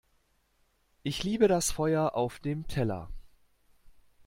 Ich liebe das Feuer auf dem Teller!